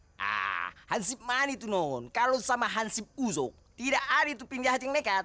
ah hansip mani tuh non kalau sama hansip uzog tidak ada tuh penjahat yang nekat